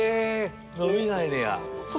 伸びないねや。